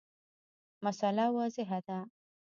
مسأله واضحه ده.